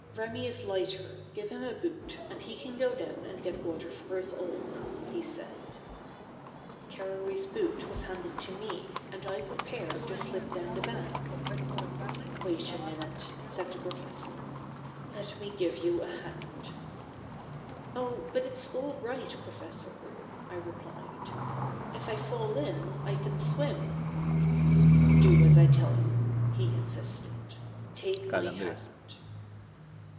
"Remi is lighter, give him a boot, and he can go down and get water for us all," he said. Carrory's boot was handed to me, and I prepared to slip down the bank. "Wait a minute," said the professor; "let me give you a hand." "Oh, but it's all right, professor," I replied; "if I fall in I can swim." "Do as I tell you," he insisted; "take my hand."